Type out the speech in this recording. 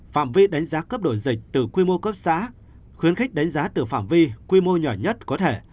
phạm vi đánh giá cấp đổi dịch từ quy mô cấp xã khuyến khích đánh giá từ phạm vi quy mô nhỏ nhất có thể